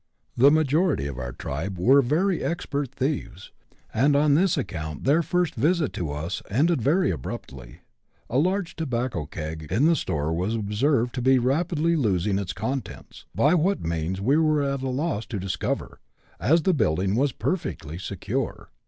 The majority of our tribe were very expert thieves, and on this account their first visit to us ended very abruptly. A large tobacco keg in the store was observed to be rapidly losing its contents, by what means we were at a loss to discover, as the building was perfectly secure.